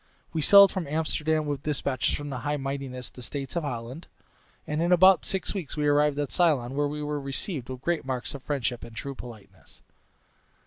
We sailed from Amsterdam with despatches from their High Mightinesses the States of Holland, and in about six weeks we arrived at Ceylon, where we were received with great marks of friendship and true politeness.